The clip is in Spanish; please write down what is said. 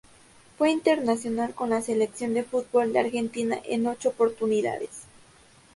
Fue internacional con la Selección de fútbol de Argentina en ocho oportunidades.